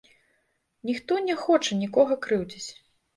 Ніхто не хоча нікога крыўдзіць.